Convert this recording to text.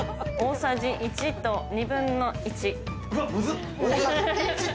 大さじ１と２分の１。